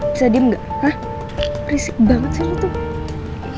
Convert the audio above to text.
bisa diem gak hah risik banget sih lo tuh